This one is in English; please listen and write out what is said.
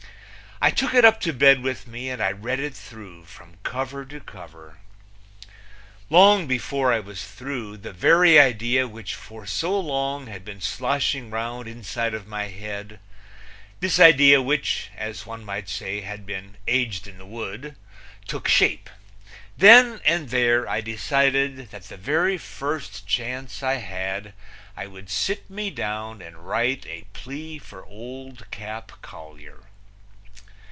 I took it up to bed with me, and I read it through from cover to cover. Long before I was through the very idea which for so long had been sloshing round inside of my head this idea which, as one might say, had been aged in the wood took shape. Then and there I decided that the very first chance I had I would sit me down and write a plea for Old Cap Collier.